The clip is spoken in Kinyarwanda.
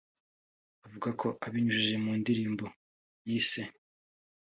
ivugako abinyujije mu ndirimbo yise